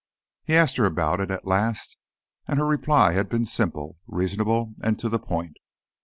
He'd asked her about it at last, and her reply had been simple, reasonable and to the point.